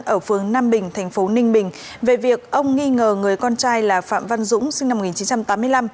ở phương nam bình tp ninh bình về việc ông nghi ngờ người con trai là phạm văn dũng sinh năm một nghìn chín trăm tám mươi năm